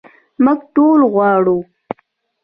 موږ ټول غواړو.